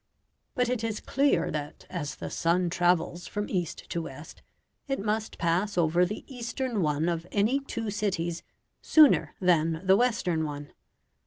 But it is clear that as the sun travels from east to west, it must pass over the eastern one of any two cities sooner than the western one.